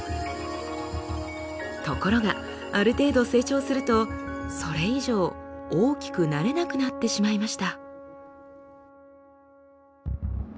ところがある程度成長するとそれ以上大きくなれなくなってしまいました。